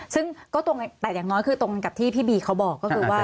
สึ่งแต่อย่างน้อยคือตรงกับที่พี่บีเขาบอก